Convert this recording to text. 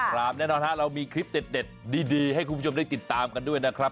ครับแน่นอนฮะเรามีคลิปเด็ดดีให้คุณผู้ชมได้ติดตามกันด้วยนะครับ